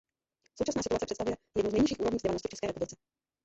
Současná situace představuje jednu z nejnižších úrovní vzdělanosti v České republice.